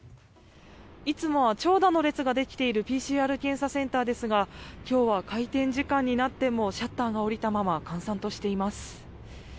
いつもは長蛇の列ができているＰＣＲ検査センターですが今日は開店時間になってもシャッターが下りたまま閑散としています。